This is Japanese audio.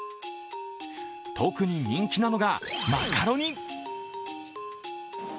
特に人気なのが、マカロニ。